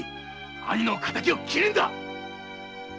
兄の敵を斬るんだ‼